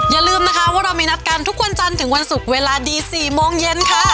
อย่าลืมนะคะว่าเรามีนัดกันทุกวันจันทร์ถึงวันศุกร์เวลาดี๔โมงเย็นค่ะ